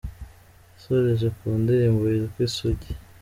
Yasoreje ku ndirimbo yitwa ‘ Isugi’